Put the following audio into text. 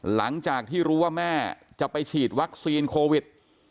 หลังจากที่รู้ว่าแม่จะไปฉีดวัคซีนโควิด